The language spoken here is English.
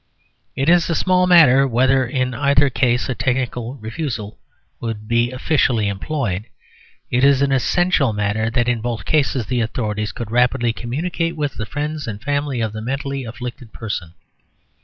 It is a small matter whether in either case a technical refusal would be officially employed. It is an essential matter that in both cases the authorities could rapidly communicate with the friends and family of the mentally afflicted person.